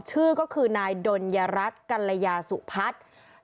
ชื่อก็คือนายดนยรัฐกัลยาสุพัฒน์